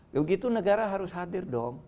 yaudah gitu negara harus hadir dong